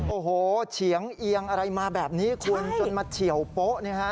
โอ้โหเฉียงเอียงอะไรมาแบบนี้คุณจนมาเฉียวโป๊ะเนี่ยฮะ